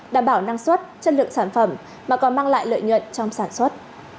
đảm bảo năng suất chất lượng sản phẩm mà còn mang lại lợi nhuận trong sản xuất